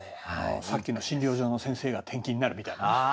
さっきの診療所の先生が転勤になるみたいなね。